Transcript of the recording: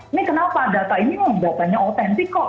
ini kenapa data ini memang datanya otentik kok